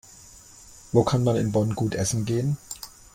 Wo kann man in Bonn gut essen gehen?